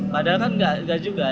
padahal kan gak juga